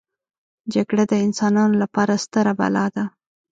جګړه د انسانانو لپاره ستره بلا ده